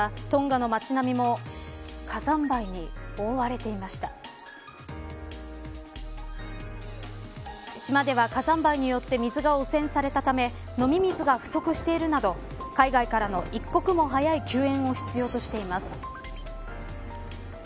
島では、火山灰によって水が汚染されたため飲み水が不足しているなど海外からの一刻も早い救援を必要としています。